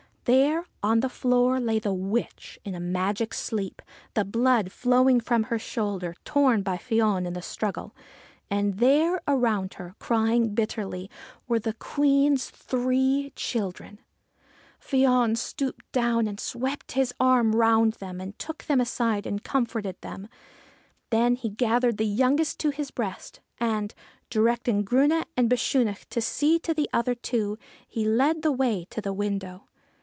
There on the floor lay the witch, in a magic sleep, the blood flowing from her shoulder, torn by Fion in the struggle. And there, around her, crying bitterly, were the Queen's three children. Fion stooped down and swept his arm round them, and took 78 QUEEN OF THE MANY COLOURED BEDCHAMBER them aside and comforted them. Then he gathered the youngest to his breast, and, directing Grunne and Bechunach to see to the other two, he led the way to the window.